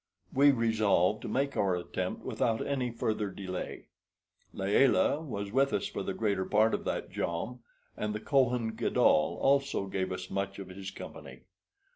We resolved to make our attempt without any further delay. Layelah was with us for the greater part of that jom, and the Kohen Gadol also gave us much of his company.